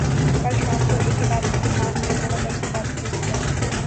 کل شام کو ایک کتاب کی دکان میں بہت عرصہ بعد گھس گیا